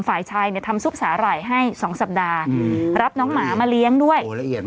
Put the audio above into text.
ฝ่ายชายเนี่ยทำซุปสาหร่ายให้๒สัปดาห์รับน้องหมามาเลี้ยงด้วย